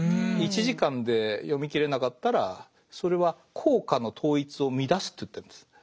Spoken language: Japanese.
１時間で読みきれなかったらそれは効果の統一を乱すと言ってるんです。